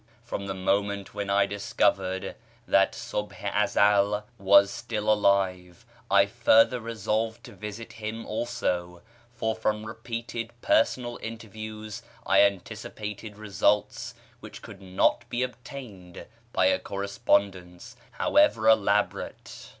From the moment when I discovered that Subh i Ezel was still alive I further resolved to visit him also, for from repeated personal interviews I anticipated results which could not be obtained by a correspondence, however elaborate.